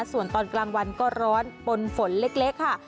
ส่วนตอนกลางวันก็ร้อนปนฝนเล็กค่ะ